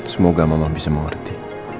semoga mama bisa mengerti